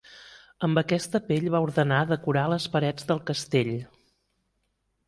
Amb aquesta pell va ordenar decorar les parets del castell.